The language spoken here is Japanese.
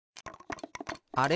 あれ？